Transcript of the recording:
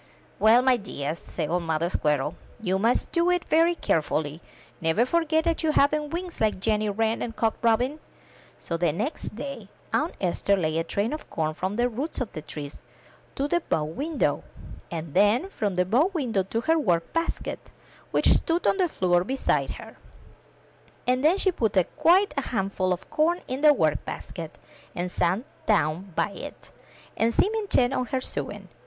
*' "Well, my dears,'* said old Mother Squirrel, '*you must do it very carefully; never forget that you haven't wings like Jenny Wren and Cock Robin." So the next day Aunt Esther laid a train of corn from the roots of the trees to the bow window, and then from the bow window to her work ba3ket, which stood on the floor beside her; and then she put quite a handful of corn in the work basket, and sat down by it, and seemed intent on her sewing.